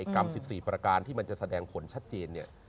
กรรม๑๔ประการที่มันจะแสดงผลชัดเจนเนี่ย